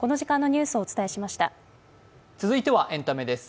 続いてはエンタメです。